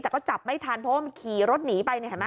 แต่ก็จับไม่ทันเพราะว่ามันขี่รถหนีไป